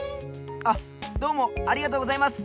あっどうもありがとうございます。